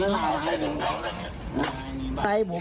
เขามาแล้วให้ลุง